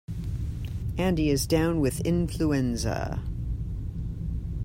Andy is down with influenza.